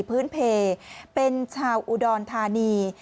พื้นเพลเป็นชาวอุดรธานี